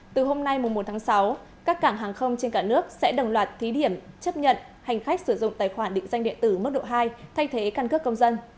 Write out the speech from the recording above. từ hôm nay một tháng sáu các cảng hàng không trên cả nước sẽ đồng loạt thí điểm chấp nhận hành khách sử dụng tài khoản định danh điện tử mức độ hai thay thế căn cước công dân